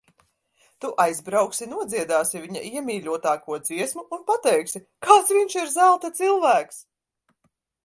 Tu aizbrauksi, nodziedāsi viņa iemīļotāko dziesmu un pateiksi, kāds viņš ir zelta cilvēks.